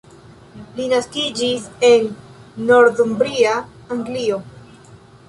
Li naskiĝis en Northumbria, Anglio.